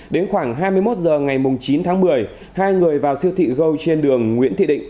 đến khoảng hai mươi một h ngày chín tháng một mươi hai người vào siêu thị gâu trên đường nguyễn thị định